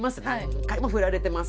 何回も振られてます。